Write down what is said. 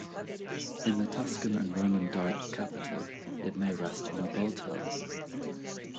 In the Tuscan and Roman Doric capital, it may rest on a boltel.